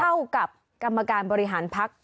เท่ากับกรรมการบริหารพัก